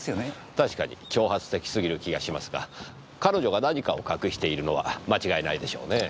確かに挑発的すぎる気がしますが彼女が何かを隠しているのは間違いないでしょうねぇ。